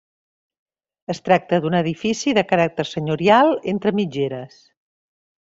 Es tracta d'un edifici de caràcter senyorial, entre mitgeres.